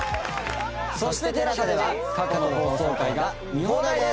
そしてＴＥＬＡＳＡでは過去の放送回が見放題です。